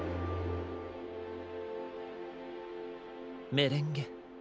メレンゲ。